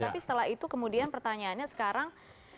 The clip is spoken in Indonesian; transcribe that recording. tapi setelah itu kemudian pertanyaannya sekarang